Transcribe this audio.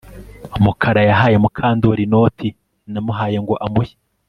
Mukara yahaye Mukandoli inoti namuhaye ngo amuhe